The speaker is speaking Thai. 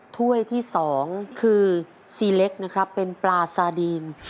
ถ้วยที่๒คือซีเล็กนะครับเป็นปลาซาดีน